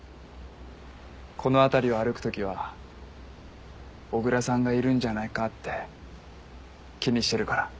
この辺りを歩くときは小椋さんがいるんじゃないかって気にしてるから。